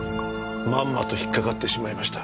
まんまと引っかかってしまいました。